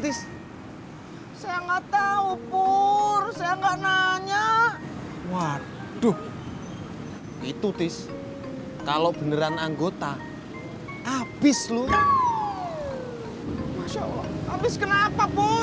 hai saya enggak tahu pur saya enggak nanya waduh itu tis kalau beneran anggota habis lu masya allah habis kenapa pur